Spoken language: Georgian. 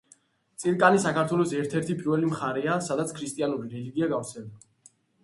წილკანი საქართველოს ერთ-ერთი პირველი მხარეა, სადაც ქრისტიანული რელიგია გავრცელდა.